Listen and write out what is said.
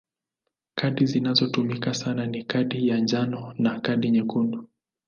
Kadi zinazotumika sana ni kadi ya njano na kadi nyekundu.